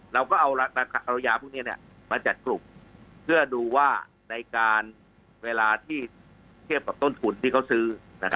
เราก็เอายาพวกนี้มาจัดกลุ่มเพื่อดูว่าในการเวลาที่เทียบกับต้นทุนที่เขาซื้อ